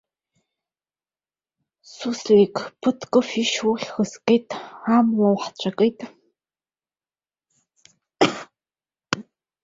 Суслик, ԥыҭк ыфишь уххь згеит, амла уаҳцәакит.